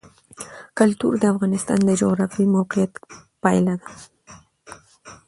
کلتور د افغانستان د جغرافیایي موقیعت پایله ده.